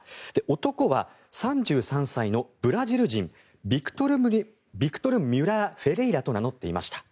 男は３３歳のブラジル人ビクトル・ミュラー・フェレイラと名乗っていました。